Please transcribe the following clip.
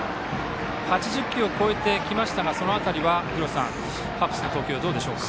８０球を超えてきましたがその辺り、ハッブスの投球はどうでしょうか？